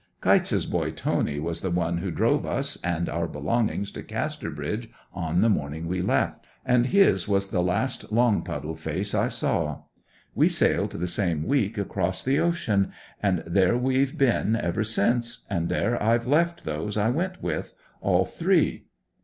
Kytes's boy Tony was the one who drove us and our belongings to Casterbridge on the morning we left; and his was the last Longpuddle face I saw. We sailed the same week across the ocean, and there we've been ever since, and there I've left those I went with—all three.